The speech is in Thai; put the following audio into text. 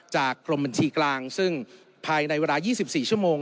จากกรมบัญชีกลางซึ่งภายในเวลา๒๔ชั่วโมง